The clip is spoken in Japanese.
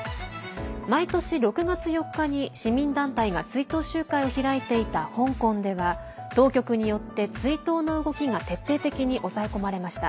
毎年６月４日に市民団体が追悼集会を開いていた香港では当局によって追悼の動きが徹底的に抑え込まれました。